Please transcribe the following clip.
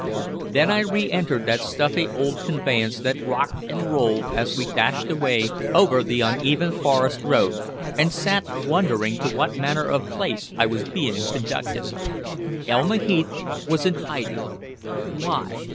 Then I re entered the stuffy old conveyance that rocked and rolled as we dashed away over the uneven forest road, and sat wondering to what manner of place I was being conducted. Elma Heath was in hiding. Why?